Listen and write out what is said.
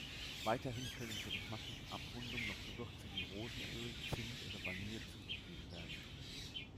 Weiterhin können zur geschmacklichen Abrundung noch Gewürze wie Rosenöl, Zimt oder Vanille zugegeben werden.